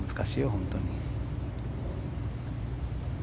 本当に。